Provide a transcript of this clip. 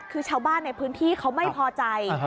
คือชาวบ้านในพื้นที่เขาไม่พอใจ